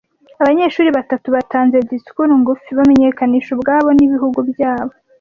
Abanyeshuri batatu batanze disikuru ngufi bamenyekanisha ubwabo nibihugu byabo.